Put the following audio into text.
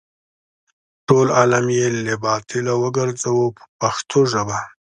ټول عالم یې له باطله وګرځاوه په پښتو ژبه.